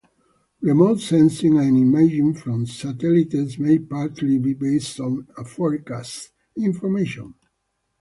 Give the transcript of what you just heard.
Remote sensing and imaging from satellites may partly be based on forecast information.